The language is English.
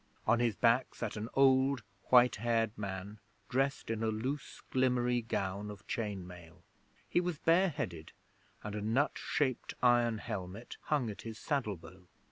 On his back sat an old, white haired man dressed in a loose glimmery gown of chain mail. He was bare headed, and a nut shaped iron helmet hung at his saddle bow.